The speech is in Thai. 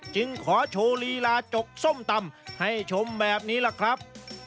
จึงขอโชว์ลีลาจกส้มตำให้ชมแบบนี้ล่ะครับ